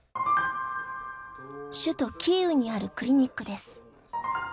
首都キーウにあるクリニックです。